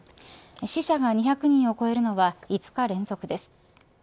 死者が２００人を超えるのは５日連続です。